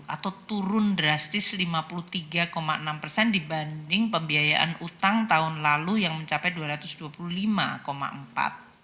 atau turun drastis lima puluh tiga enam persen dibanding pembiayaan utang tahun lalu yang mencapai rp dua ratus dua puluh lima empat